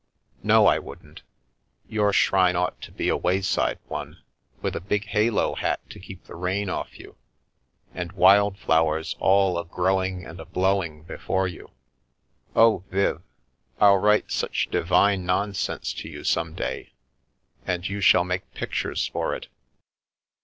No, I wouldn't ; your shrine ought to be a wayside one, with a big halo hat to keep the rain off you, and wild flowers all a growing and a blowing before you. Oh, Viv, I'll write such divine nonsense to you some day, and you shall make pictures for it."